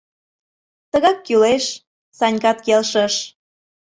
— Тыгак кӱлеш, — Санькат келшыш.